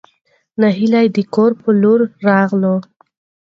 نهېلى د کور په لور راغلو.